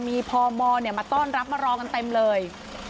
มีพมมาต้อนรับมารอกันเต็มเลย